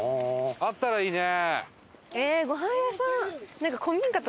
あったらいいね。